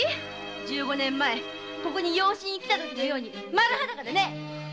十五年前ここに養子にきた時のように丸裸でね。